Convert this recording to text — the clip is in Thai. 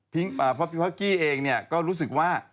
เพราะพี่พ็อกกี้เองเนี่ยก็รู้สึกว่า